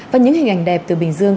và những hình ảnh đẹp từ bình dương